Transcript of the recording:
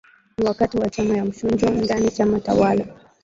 wakati wa hatua ya mchujo ndani chama tawala